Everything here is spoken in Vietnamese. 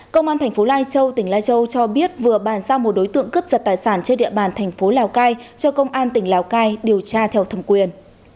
công an tp lai châu tỉnh lai châu cho biết vừa bàn giao một đối tượng cướp giật tài sản trên địa bàn tp lào cai cho công an tỉnh lào cai điều tra theo thẩm quyền